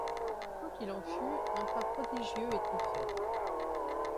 Quoi qu’il en fût, un pas prodigieux était fait.